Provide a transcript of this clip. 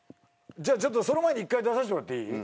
じゃあちょっとその前に一回出させてもらっていい？